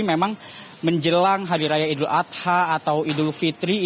memang menjelang hari raya idul adha atau idul fitri